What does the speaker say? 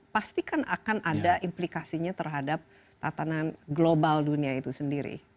pastikan akan ada implikasinya terhadap tatanan global dunia itu sendiri